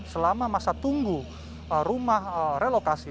selama masa tunggu rumah relokasi